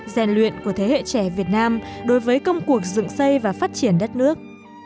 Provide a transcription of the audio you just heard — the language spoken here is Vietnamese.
rèn luyện của thế hệ trẻ việt nam đối với công cuộc dựng xây và phát triển đất nước